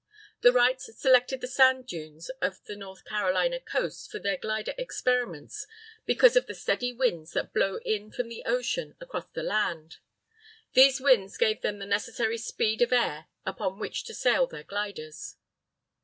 The Wrights selected the sand dunes of the North Carolina coast for their glider experiments because of the steady winds that blow in from the ocean, across the land. These winds gave them the necessary speed of air upon which to sail their gliders.